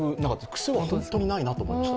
クセは本当にないなと思いました。